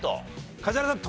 梶原さん